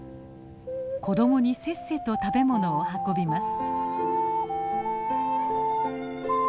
子どもにせっせと食べ物を運びます。